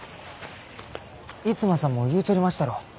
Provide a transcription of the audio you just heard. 逸馬さんも言うちょりましたろ？